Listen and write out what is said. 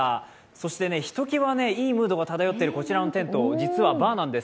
そして、ひときわいいムードが漂っているこちらのテント、実はバーなんです。